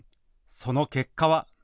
その結果は。